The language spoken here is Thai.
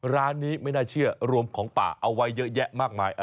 ร้านนี้ไม่น่าเชื่อรวมของป่าเอาไว้เยอะแยะมากมาย